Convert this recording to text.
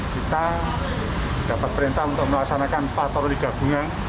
kita dapat perintah untuk melaksanakan patroli gabungan